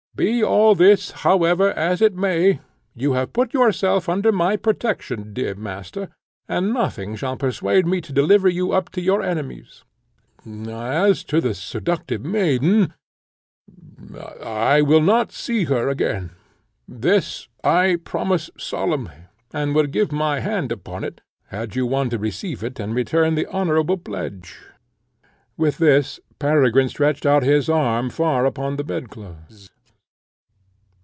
Be all this, however, as it may, you have put yourself under my protection, dear Master, and nothing shall persuade me to deliver you up to your enemies; as to the seductive maiden, I will not see her again. This I promise solemnly, and would give my hand upon it, had you one to receive it and return the honourable pledge." With this Peregrine stretched out his arm far upon the bed clothes.